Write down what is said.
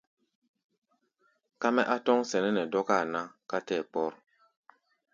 Ká mɛ́ á tɔ́ŋ sɛnɛ́ nɛ dɔ́káa ná ká tɛ́ɛ kpɔ́r.